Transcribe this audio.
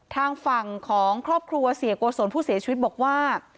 ทางฝั่งของครอบครัวเสียโกศลผู้เสียชีวิตบอกว่า